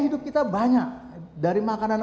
hidup kita banyak dari makanan